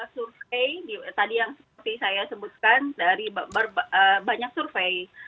survei tadi yang seperti saya sebutkan dari banyak survei